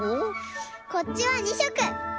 こっちは２しょく。